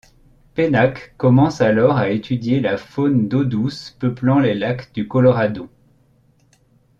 Pennak commence alors à étudier la faune d’eau douce peuplant les lacs du Colorado.